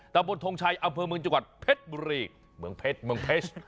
ตะบนทงชัยอำเภอเมืองจังหวัดเพชรบุรีเมืองเพชรเมืองเพชร